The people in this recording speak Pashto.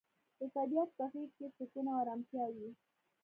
د طبیعت په غیږ کې سکون او ارامتیا وي.